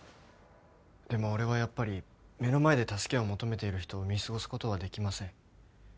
でも俺はやっぱり目の前で助けを求めている人を見過ごすことはできません。